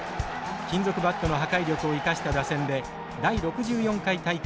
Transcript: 金属バットの破壊力を生かした打線で第６４回大会で優勝。